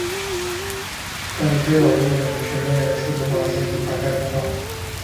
关于推广应用全面数字化电子发票的公告